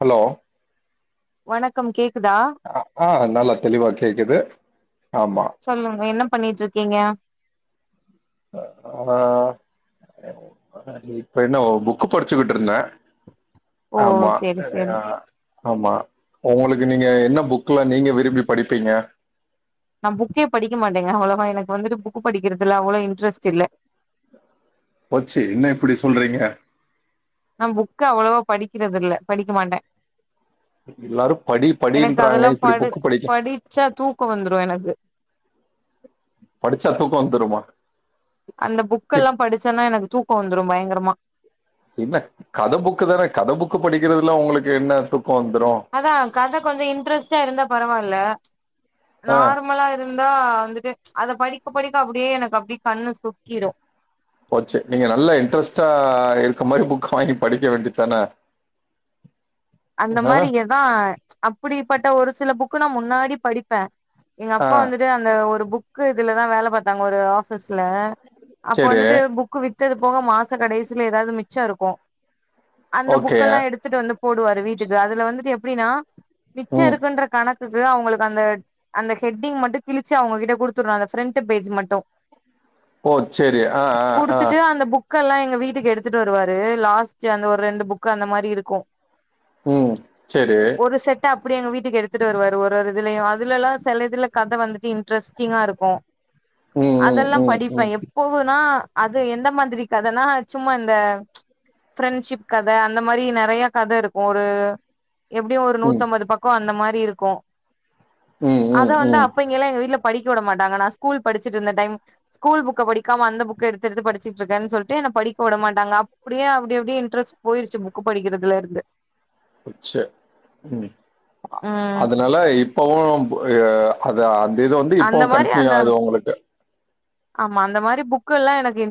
Hello வணக்கம் கேக்குதா ஆ நல்லா தெளிவா கேக்குது ஆமா சொல்லுங்க என்ன பண்ணிட்டு இருக்கீங்க நா இப்ப என்ன புக்கு படிச்சுக்கிட்டு இருந்தே ஓ ஆமா சேரி சேரி ஆமா உங்களுக்கு நீங்க என்ன புக்குல நீங்க விரும்பி படிப்பீங்க நா புக்கே படிக்க மாட்டேங்க அவ்ளவா எனக்கு வந்துட்டு புக்கு படிக்கிறதுல அவ்ளோ இன்டரெஸ்ட் இல்ல போச்சு என்ன இப்டி சொல்றீங்க நா புக்கு அவ்ளவோ படிக்கிறது இல்ல படிக்க மாட்டே எல்லாரு படி படின்றாங்க இப்டி புக் படிக்க ச்சா தூக்கோ வந்துரு எனக்கு படிச்சா தூக்கோ வந்துருமா அந்த இப் புக்கெல்லா படிச்சேனா எனக்கு தூக்கோ வந்துரு பயங்கரமா என்ன கத புக்கு தான கத புக்கு படிக்கிறதுல உங்களுக்கு என்ன துக்கோ வந்துரு அதா கத கொஞ்சோ இன்ட்ரெஸ்ட்டா இருந்தா பரவால்ல ஆ நார்மலா இருந்தா வந்துட்டு அத படிக்க படிக்க அப்டியே எனக்கு அப்டியே கண்ணு சொக்கிறு போச்சு நீங்க நல்லா இன்ட்ரெஸ்டா இருக்க மாரி புக்க வாங்கி படிக்க வேண்டி தான அந்த மாரி எதா அப்படிப்பட்ட ஒரு சில புக்கு நா முன்னாடி படிப்பே எங்க ஆ அப்பா வந்துட்டு அந்த ஒரு புக்கு இதுல தா வேல பாத்தாங்க ஒரு ஆபீஸ்ல அப்ப சரி வந்துட்டு புக்கு வித்தது போக மாச கடைசல எதாவது மிச்ச இருக்கு அந்த ஓகே. புக்கெல்லா எடுத்துட்டு வந்து போடுவாரு வீட்டுக்கு அதுல வந்துட்டு எப்படின்னா மிச்ச ம். இருக்குன்ற கணக் க்கு அவங்களுக்கு அந்த அந்த ஹெட்டிங் மட்டு கிழிச்சு அவங்க கிட்ட குடுத்துறனு அந்த பிரண்ட் ஃபேஜ் மட்டு ஓ! சரி. ஆ, ஆ, ஆ. குடுத்துட்டு அந்த புக் புக்கெல்லா எங்க வீட்டுக்கு எடுத்துட்டு வருவாரு லாஸ்ட் அந்த ஒரு ரெண்டு புக் அந்த மாரி இருக்கு ம் செரி ஒரு செட்டு அப்டியே எங்க வீட்டுக்கு எடுத்துட்டு வருவாரு ஒரு ஒரு இதுலையு அதுலலா சிலதுல கத வந்துட்டு இன்டரஸ்டிங்கா இருக்கு ம், அதெல்லா ம், படிப்பே ம், ம், எப் போகுனா அது எந்த மாதிரி கதனா சும்மா இந்த ஃப்ரண்ட்ஷிப் கத அந்த மாரி நெறையா கத இருக் ஒரு எப்டியு ஒரு ம், நூத்தம்பது பக்கோ அந்த மாரி இருக்கு ம், அத ம், வந்து ம். அப்ப இங்கெல்லா எங்க வீட்ல படிக்க விட மாட்டாங்க நா ஸ்கூல் படிச்சுட்டு இருந்த டைம் ஸ்கூல் புக்க படிக்காம அந்த புக்க எடுத்து எடுத்து படிச்சிட்டு இருக்கேனு சொல்லிட்டு என்ன படிக்க விட மாட்டாங்க அப்டியே அப்டி அப்டியே இன்ட்ரெஸ்ட் போயிருச்சு புக்கு படிக்கிறதுல இருந்து போச்சு ம் ம் அதனால இப்பவு அது அந்த இது வந்து அந்த இப்பவு மாரி கண்டினியூ அந்த ஆகுது உங்குளுக்கு ஆமா அந்த மாரி புக்குல்லா எனக்கு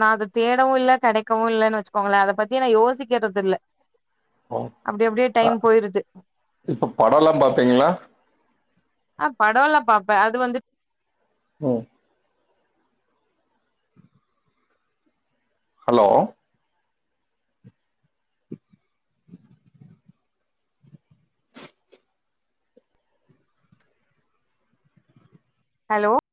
நா அது தேடவு இல்ல கெடைக்கவு இல்லன்னு வெச்சு க்கோங்களே அத பத்தி நா யோசிக்கிறது இல்ல ஓ! அப்டி அப்டியே அ டைம் போயிருது இப்ப படோல்லா பாப்பீங்களா ஆ படோலா பாப்ப அது வந்து ம் ஹலோ ஹலோ